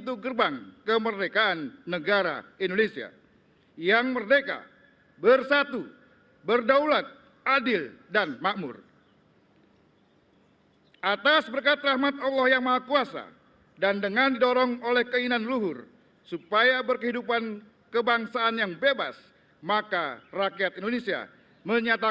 tanda kebesaran buka hormat senjata